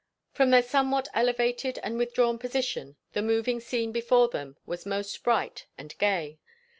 From their somewhat elevated and withdrawn position, the moving scene before them was most bright and gay.